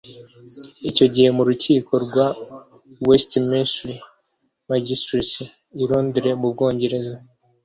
Icyo gihe mu rukiko rwa Westminster Magistrates i Londre mu Bwongereza